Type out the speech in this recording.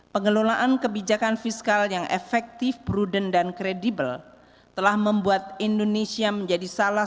pengelolaan kebijakan fiskal yang efektif prudent dan kredibel telah membuat indonesia menjadi salah satu